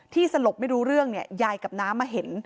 ที่สลบไม่รู้เรื่องยายกับน้ำมาเห็น